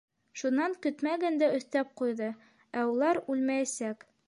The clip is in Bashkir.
Шунан көтмәгәндә өҫтәп ҡуйҙы: — Ә улар үлмәйәсәк.